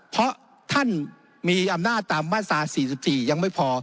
เพราะท่านมีอำนาจตามมาตรา๔๔ยังไม่พอ